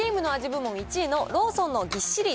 部門１位のローソンのぎっしり！